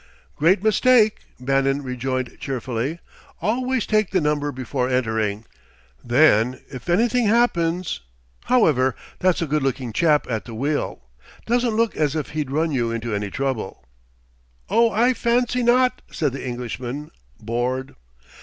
"Great mistake," Bannon rejoined cheerfully. "Always take the number before entering. Then, if anything happens ... However, that's a good looking chap at the wheel doesn't look as if he'd run you into any trouble." "Oh, I fancy not," said the Englishman, bored.